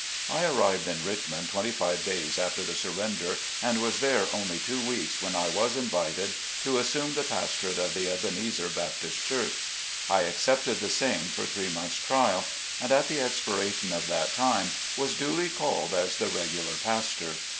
I arrived in Richmond twenty five days after the surrender, and was there only two weeks when I was invited to assume the pastorate of the Ebenezer Baptist Church. I accepted the same for three months' trial, and at the expiration of that time was duly called as the regular pastor.